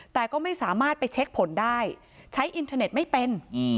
แต่ก็ไม่สามารถไปเช็คผลได้ใช้อินเทอร์เน็ตไม่เป็น